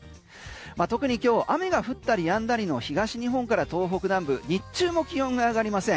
特に今日雨が降ったりやんだりの東日本から東北南部、日中も気温が上がりません。